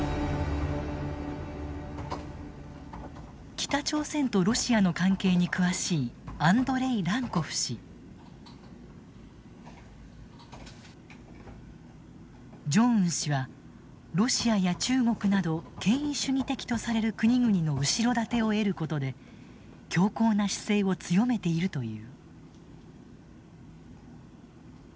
北朝鮮とロシアの関係に詳しいジョンウン氏はロシアや中国など権威主義的とされる国々の後ろ盾を得ることで強硬な姿勢を強めているという。